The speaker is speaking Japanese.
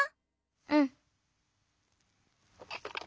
うん。